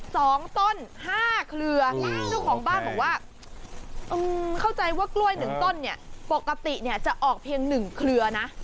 สองต้นห้าเครือเจ้าของบ้านบอกว่าเออเข้าใจว่ากล้วยหนึ่งต้นเนี่ยปกติเนี่ยจะออกเพียงหนึ่งเครือนะ